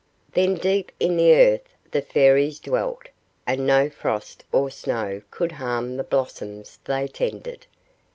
Then deep in the earth the Fairies dwelt, and no frost or snow could harm the blossoms they tended.